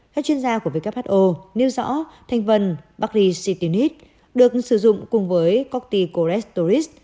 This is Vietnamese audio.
các chuyên gia của who nêu rõ thành phần baricitinib được sử dụng cùng với corticosteroids